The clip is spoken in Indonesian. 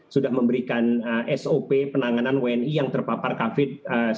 sudah memberikan sop penanganan wni yang terpapar covid sembilan belas